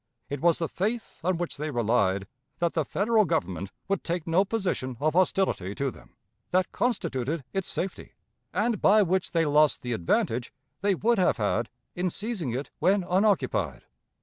It was the faith on which they relied, that the Federal Government would take no position of hostility to them, that constituted its safety, and by which they lost the advantage they would have had in seizing it when unoccupied.